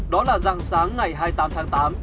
đó là dặng sáng ngày hai mươi tám tháng tám